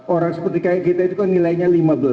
orang seperti kayak kita itu kan nilainya lima belas